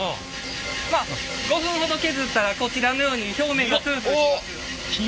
まあ５分ほど削ったらこちらのように表面がツルツルします。